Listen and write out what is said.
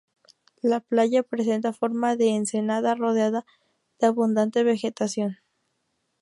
La playa presenta forma de ensenada rodeada de abundante vegetación.